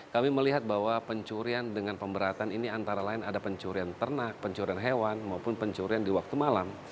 kami melihat bahwa pencurian dengan pemberatan ini antara lain ada pencurian ternak pencurian hewan maupun pencurian di waktu malam